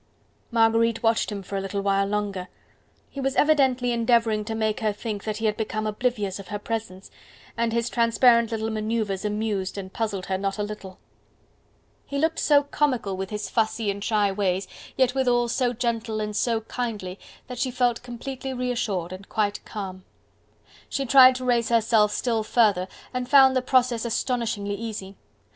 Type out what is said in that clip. Marguerite watched him for a little while longer: he was evidently endeavouring to make her think that he had become oblivious of her presence, and his transparent little manoeuvers amused and puzzled her not a little. He looked so comical with his fussy and shy ways, yet withal so gentle and so kindly that she felt completely reassured and quite calm. She tried to raise herself still further and found the process astonishingly easy.